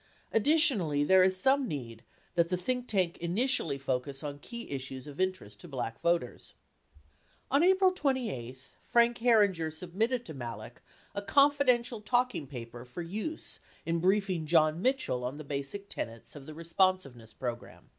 Addi tionally, there is some need that the think tank initially focus on key issues of interest to Black voters. 65 On April 28, Frank Herringer submitted to Malek a "Confidential" talking paper for use in briefing John Mitchell on the basic tenets of the Responsiveness Program.